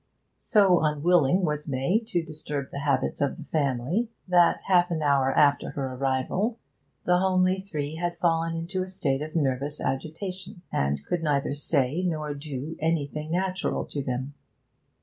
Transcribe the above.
So unwilling was May to disturb the habits of the family that, half an hour after her arrival, the homely three had fallen into a state of nervous agitation, and could neither say nor do anything natural to them.